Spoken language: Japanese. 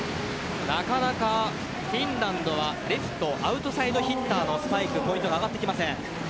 なかなか、フィンランドはレフト、アウトサイドヒッターのポイントが上がってきません。